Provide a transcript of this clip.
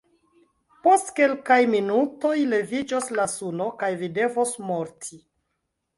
Post kelkaj minutoj leviĝos la suno kaj vi devos morti!